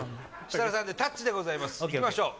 設楽さんで「タッチ」でございますいきましょう